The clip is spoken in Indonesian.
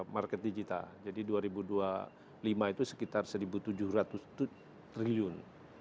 market digital jadi dua ribu dua puluh lima itu sekitar rp satu tujuh ratus triliun